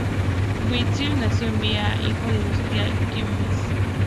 Wittgenstein nació en Viena, hijo del industrial Karl Wittgenstein.